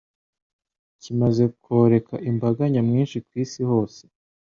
kimaze koreka imbaga nyamwinshi ku isi hose,